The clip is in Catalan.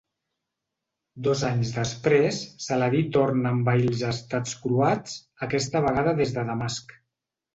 Dos anys després, Saladí tornà a envair els estats croats, aquesta vegada des de Damasc.